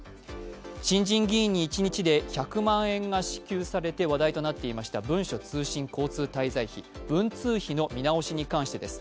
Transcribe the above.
新人議員に一日で１００万円が支給されて話題になっていました文書通信交通滞在費、文通費の見直しに関してです。